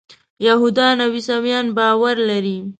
یهودان او عیسویان باور لري.